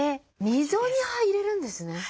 溝に入れるんですね。